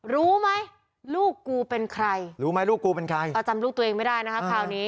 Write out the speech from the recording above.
รู้ไหมลูกกูเป็นใครรู้ไหมลูกกูเป็นใครเอาจำลูกตัวเองไม่ได้นะคะคราวนี้